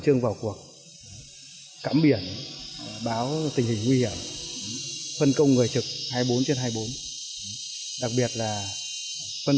chủ vào cuộc cắm biển báo tình hình nguy hiểm phân công người trực hai mươi bốn trên hai mươi bốn đặc biệt là phân